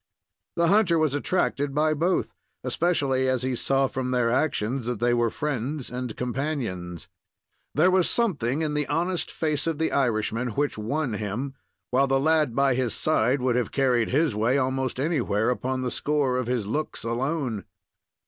The hunter was attracted by both, especially as he saw from their actions that they were friends and companions. There was something in the honest face of the Irishman which won him, while the lad by his side would have carried his way almost anywhere upon the score of his looks alone.